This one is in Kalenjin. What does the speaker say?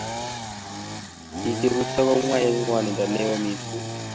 bik chetupcho ko komwa eng ngwanindo neo mising